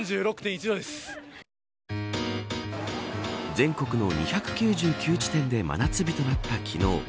全国の２９９地点で真夏日となった昨日。